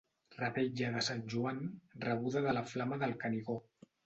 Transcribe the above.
Revetlla de Sant Joan, rebuda de la flama del Canigó.